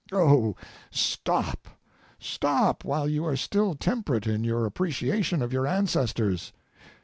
Oh, stop, stop, while you are still temperate in your appreciation of your ancestors!